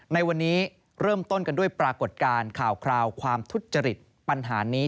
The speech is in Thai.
ในวันนี้เริ่มต้นกันด้วยปรากฏการณ์ข่าวคราวความทุจริตปัญหานี้